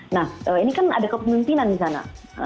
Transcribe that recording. nah ini kan ada kepemimpinan di sana